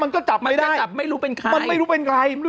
มันก็จับไม่ได้จับไม่รู้เป็นใครมันไม่รู้เป็นใคร